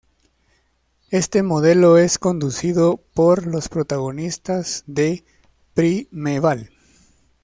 Este modelo es conducido por los protagonistas de Primeval.